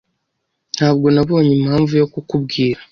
Ntabwo nabonye impamvu yo kukubwira.